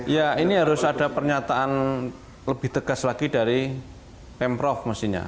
ya ini harus ada pernyataan lebih tegas lagi dari pemprov mestinya